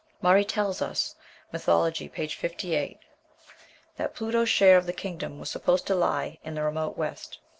Murray tells us ("Mythology," p. 58) that Pluto's share of the kingdom was supposed to lie "in the remote west."